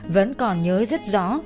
vẫn còn nhớ rất rõ